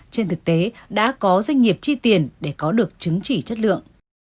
trên thực tế đã có doanh nghiệp chi tiền để có được chứng chỉ chất lượng